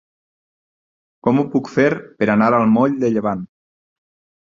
Com ho puc fer per anar al moll de Llevant?